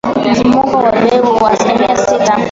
Mfumuko wa bei uko asilimia sita